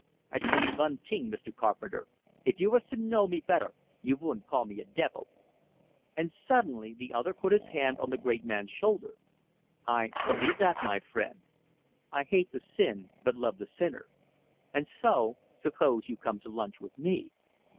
"I tell you vun ting, Mr. Carpenter, if you vas to know me better, you vouldn't call me a devil." And suddenly the other put his hand on the great man's shoulder. "I believe that, my friend; I hate the sin but love the sinner And so, suppose you come to lunch with me?"